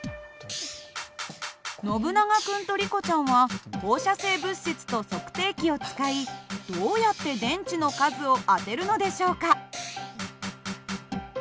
ノブナガ君とリコちゃんは放射性物質と測定器を使いどうやって電池の数を当てるのでしょうか？